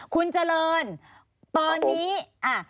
คุณเจริญได้ยินนะคะ